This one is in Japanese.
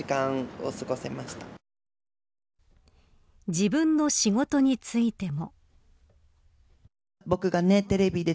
自分の仕事についても。